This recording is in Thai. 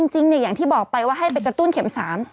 อย่างที่บอกไปว่าให้ไปกระตุ้นเข็ม๓